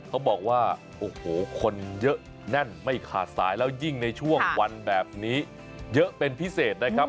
เขาบอกว่าโอ้โหคนเยอะแน่นไม่ขาดสายแล้วยิ่งในช่วงวันแบบนี้เยอะเป็นพิเศษนะครับ